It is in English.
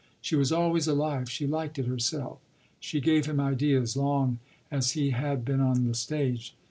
She was always alive she liked it herself. She gave him ideas, long as he had been on the stage.